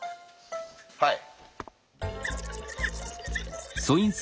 はい。